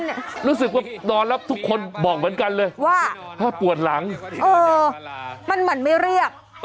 รู้สึกว่านอนแล้วทุกคนบอกเหมือนกันเลยว่าถ้าปวดหลังเออมันเหมือนไม่เรียก